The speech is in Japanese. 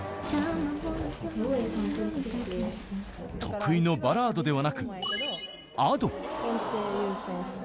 得意のバラードではなくＡｄｏ。